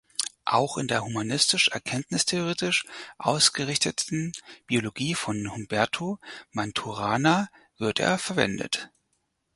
Auch in der humanistisch-erkenntnistheoretisch ausgerichteten Biologie von Humberto Maturana wird er verwendet.